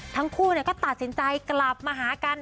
ทั้งคู่ก็ตัดสินใจกลับมาหากัน